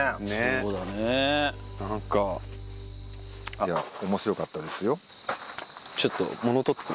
そうだねなんかいや面白かったですよ